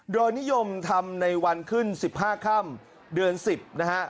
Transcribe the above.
โดยนิยมทำในวันขึ้น๑๕ค่ำเดือน๑๐นะฮะ